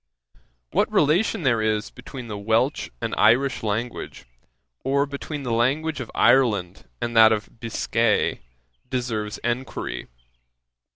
'What relation there is between the Welch and Irish language, or between the language of Ireland and that of Biscay, deserves enquiry.